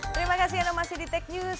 terima kasih anda masih di tech news